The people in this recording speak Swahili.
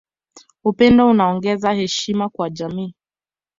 Upendo unaongeza heshima kwa jamii